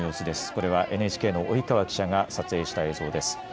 これはＮＨＫの及川記者が撮影した映像です。